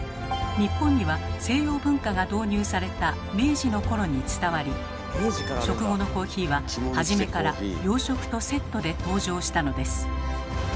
日本には西洋文化が導入された明治の頃に伝わり食後のコーヒーは初めから洋食とセットで登場したのです。